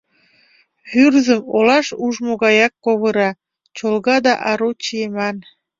Вӱрзым олаш ужмо гаяк ковыра, чолга да ару чиеман.